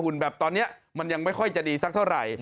แบบตอนนี้มันยังไม่ค่อยจะดีสักเท่าไหร่